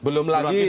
belum lagi di ma